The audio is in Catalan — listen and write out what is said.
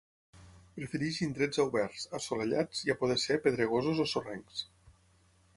Prefereix indrets oberts, assolellats i a poder ser pedregosos o sorrencs.